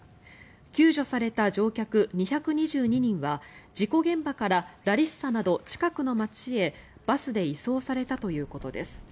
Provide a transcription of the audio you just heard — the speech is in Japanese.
救助された乗客２２２人は事故現場からラリッサなど近くの街へバスで移送されたということです。